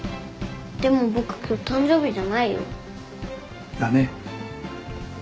でも僕今日誕生日じゃないよ。だね。